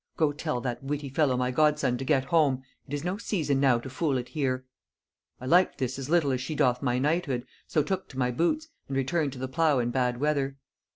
'Go tell that witty fellow my godson to get home; it is no season now to fool it here,' I liked this as little as she doth my knighthood, so took to my boots, and returned to the plough in bad weather.